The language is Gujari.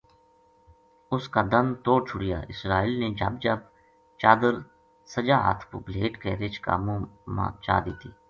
اس کا دند توڑ چھُڑیا اسرائیل نے جھب جھب چادر سجا ہتھ پو بھلیٹ کے رچھ کا منہ ما چا دتی